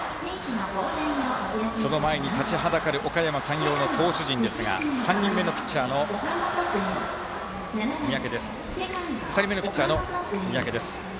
その前に立ちはだかるおかやま山陽の投手陣ですが２人目のピッチャーの三宅です。